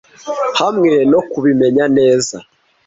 Hamwe no kubimenya neza